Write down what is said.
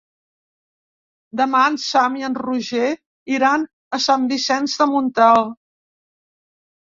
Demà en Sam i en Roger iran a Sant Vicenç de Montalt.